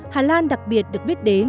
hà lan đặc biệt được biết đến